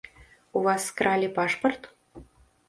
У вас скралі пашпарт?